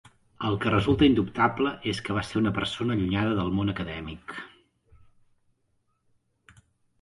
El que resulta indubtable és que va ser una persona allunyada del món acadèmic.